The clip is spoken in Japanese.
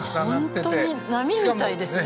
本当に波みたいですね。